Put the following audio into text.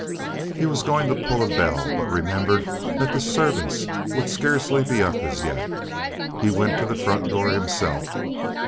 He was going to pull a bell, but remembered that the servants would scarcely be up as yet. He went to the front door himself.